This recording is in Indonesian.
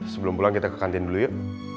sebelum pulang kita ke kantin dulu yuk